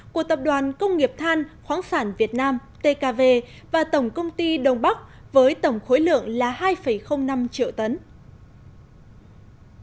của tập đoàn công nghiệp than khoáng sản việt nam tkv và tổng công ty đông bắc với tổng khối lượng là hai năm triệu tấn